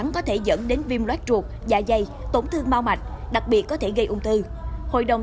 có thể dẫn đến viêm loát ruột dạ dày tổn thương mau mạch đặc biệt có thể gây ung tư hội đồng